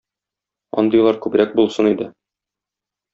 Андыйлар күбрәк булсын иде.